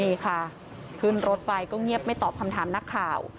นี่ค่ะขึ้นรถไปก็เงียบไม่ตอบคำถามนักข่าว